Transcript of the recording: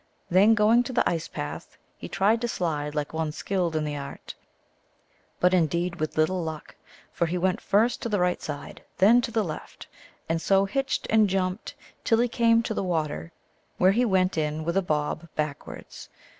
Then going to the ice path, he tried to slide like one skilled in the art, but indeed with little luck, for he went first to the right side, then to the left, and so hitched and jumped till he came to the water, where he went in with a bob backwards.